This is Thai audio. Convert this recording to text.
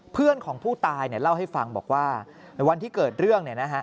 เพื่อนของผู้ตายเล่าให้ฟังบอกว่าวันที่เกิดเรื่อง